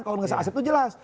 kalau organisasi asep itu jelas